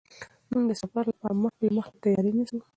موږ د سفر لپاره مخکې له مخکې تیاری نیسو.